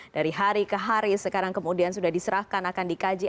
dari hari ke hari sekarang kemudian sudah diserahkan akan dikaji